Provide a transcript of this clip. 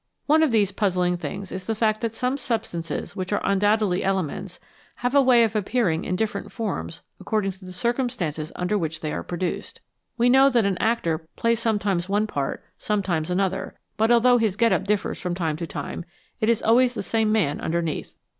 One of these puzzling things is the fact that some substances which are undoubtedly elements have a way of appearing in different forms according to the circumstances under which they are produced. We know that an actor plays sometimes one part, sometimes another ; but although his get up differs from time to time, it is always the same man underneath.